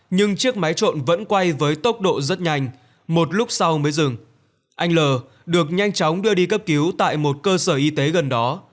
nhưng chiếc máy trộn vẫn quay với tốc độ rất nhanh một lúc sau mới dừng anh l được nhanh chóng đưa đi cấp cứu tại một cơ sở y tế gần đó